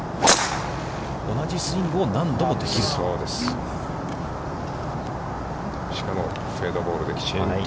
同じスイングを何度もできると。